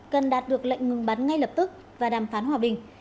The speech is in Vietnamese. cần đạt được lệnh ngừng bắn ngay lập tức và đàm phán hòa bình